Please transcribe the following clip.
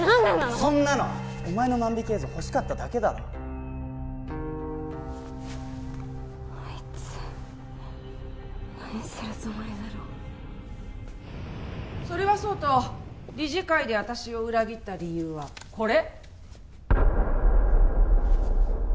そんなのお前の万引き映像ほしかっただけだろあいつ何するつもりだろそれはそうと理事会で私を裏切った理由はこれ？